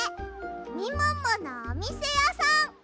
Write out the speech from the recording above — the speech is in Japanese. みもものおみせやさん！